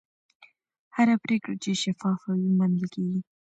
هره پرېکړه چې شفافه وي، منل کېږي.